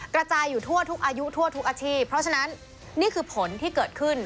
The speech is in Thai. กระจายอยู่ทั่วทุกอายุทั่วทุกอาชีพเพราะฉะนั้นนี่คือผลที่เกิดขึ้น